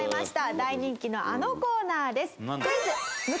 大人気のあのコーナーです。